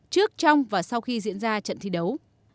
trước trong và sau khi diễn ra trận thi đấu